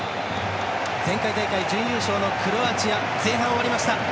前回大会準優勝のクロアチア前半、終わりました。